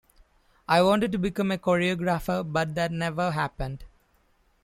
I wanted to become a choreographer, but that never happened.